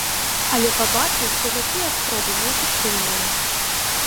Але пабачыў, што такія спробы неэфектыўныя.